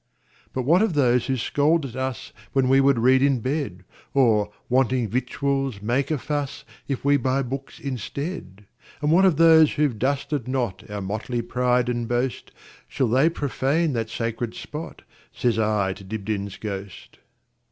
"But what of those who scold at usWhen we would read in bed? Or, wanting victuals, make a fussIf we buy books instead? And what of those who 've dusted notOur motley pride and boast,—Shall they profane that sacred spot?"Says I to Dibdin's ghost.